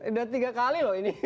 udah tiga kali loh ini